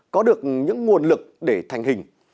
có được những nguồn lực để thành hình